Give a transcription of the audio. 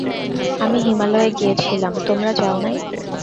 আমি হিমালয়ে গিয়াছিলাম, তোমরা যাও নাই।